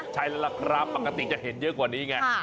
ใช่แล้วล่ะครับปกติจะเห็นเยอะกว่านี้ไง